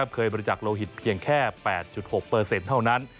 บริจาคโลหิตเพียงแค่๘๖เท่านั้น